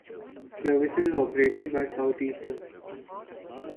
Services are operated by Southeastern.